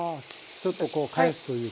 ちょっとこう返すというか。